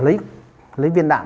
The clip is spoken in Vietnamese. lấy viên đạn